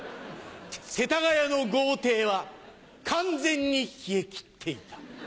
世田谷の豪邸は完全に冷え切っていた。